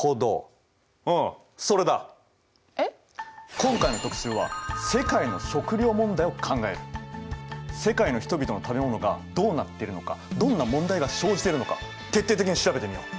今回の特集は世界の人々の食べ物がどうなってるのかどんな問題が生じてるのか徹底的に調べてみよう。